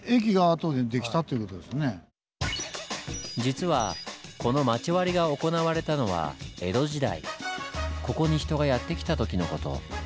実はこの町割が行われたのは江戸時代ここに人がやって来た時の事。